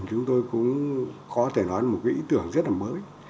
chúng tôi cũng có thể nói một cái ý tưởng rất là mới